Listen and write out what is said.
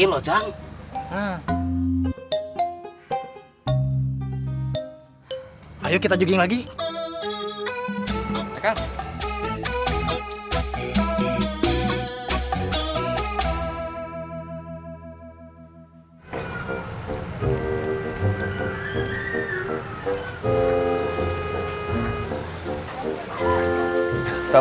biasanya kamu yang paling ketol